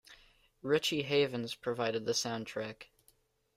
Richie Havens provided the soundtrack.